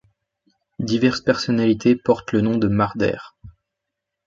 Diverses personnalités portent le nom de Marder.